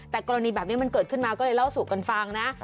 แต่กรณีแบบนี้มันเกิดขึ้นมาก็เลยเล่าสู่กันฟังนะ